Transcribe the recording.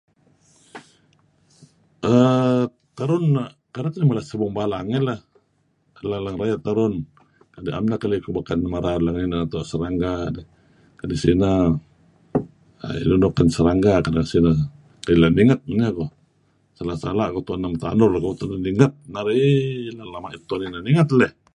err Terun kereb teh narih mala sibung balang eh lah lang-lang rayeh terun kadi' am' neh nuk keli' kuh inan nuk beken rayeh let ngan inah neto serangga dih kadi' sineh err lun nuk kan serangga kedeh ngen sineh la' ninget men iyeh koh, sala'-sala' koh tu'en neh metanur koh tu'en neh ninget narih eeeh leng-leng ma'it tu'en ineh ninget leh,